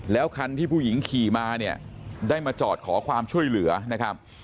แล้วคันที่ผู้หญิงขี่มาเนี่ยได้มาจอดขอความช่วยเหลือนะครับ